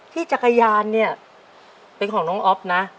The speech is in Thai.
จักรยานเนี่ยเป็นของน้องอ๊อฟนะ